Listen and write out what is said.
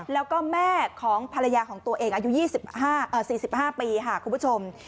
แล้วก็แม่ของภรรยาของตัวเองอายุ๔๕ปีค่ะคุณผู้ชม